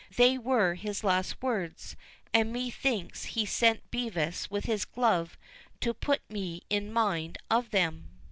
They were his last words; and methinks he sent Bevis with his glove to put me in mind of them."